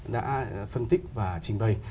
đã phân tích và trình bày